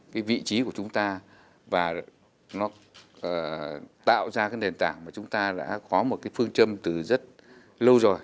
cái vị trí của chúng ta tạo ra nền tảng mà chúng ta đã có một phương châm từ rất lâu rồi